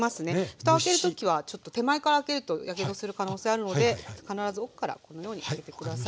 ふたを開ける時はちょっと手前から開けるとやけどする可能性あるので必ず奥からこのように開けて下さい。